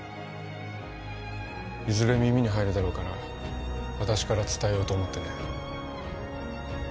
いずれ耳に入るだろうから私から伝えようと思ってね